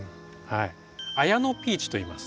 あやのピーチといいます。